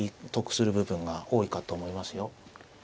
得する部分が多いかと思いますよ。